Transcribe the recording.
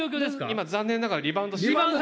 今残念ながらリバウンドし終わった。